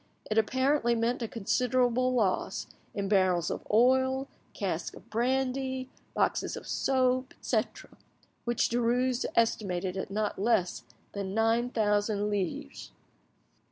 It apparently meant a considerable loss in barrels of oil, casks of brandy, boxes of soap, etc., which Derues estimated at not less than nine thousand livres.